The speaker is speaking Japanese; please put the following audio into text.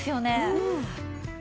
うん。